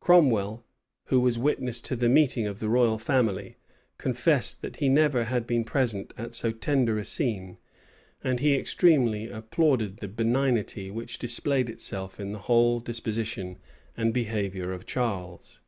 Cromwell, who was witness to the meeting of the royal family, confessed that he never had been present at so tender a scene; and he extremely applauded the benignity which displayed itself in the whole disposition and behavior of Charles.